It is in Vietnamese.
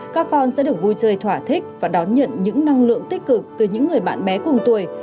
các con sẽ được vui chơi thỏa thích và đón nhận những năng lượng tích cực từ những người bạn bè cùng tuổi